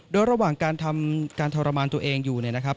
โดยระหว่างการทำการทรมานตัวเองอยู่เนี่ยนะครับ